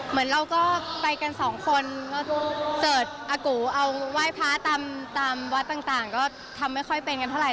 เหมือนเราก็ไปกันสองคนก็เกิดอากูเอาไหว้พระตามวัดต่างก็ทำไม่ค่อยเป็นกันเท่าไห